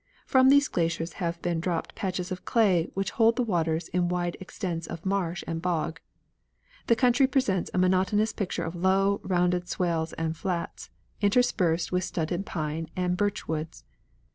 From these glaciers have been dropped patches of clay which hold the waters in wide extents of marsh and bog. The country presents a monotonous picture of low, rounded swells and flats, interspersed with stunted pine and birch woods.